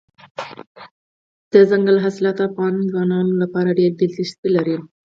دځنګل حاصلات د افغان ځوانانو لپاره ډېره دلچسپي لري.